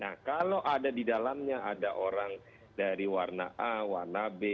nah kalau ada di dalamnya ada orang dari warna a warna b